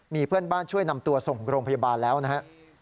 มีเพื่อนบ้านช่วยนำตัวส่งโรงพยาบาลแล้วนะฮะ